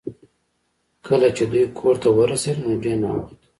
کله چې دوی کور ته ورسیدل نو ډیر ناوخته و